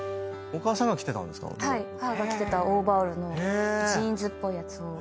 母が着てたオーバーオールのジーンズっぽいやつを。